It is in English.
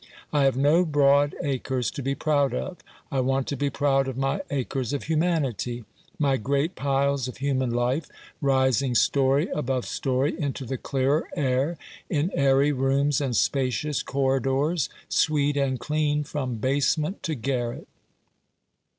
" I have no broad acres to be proud of. I want to be proud of my acres of humanity — my great piles of human life rising story above story into the clearer air, in airy rooms and spacious corridors, sweet and clean from basement to garret."